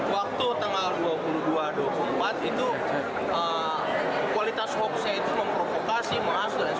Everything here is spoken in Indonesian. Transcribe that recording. waktu tanggal dua puluh dua dua puluh empat itu kualitas hoaxnya itu memprovokasi mengakses